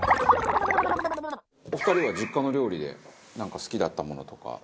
お二人は実家の料理でなんか好きだったものとか。